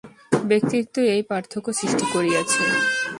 ব্যক্তিত্বই এই পার্থক্য সৃষ্টি করিয়াছে।